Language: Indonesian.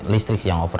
listrik sih yang offer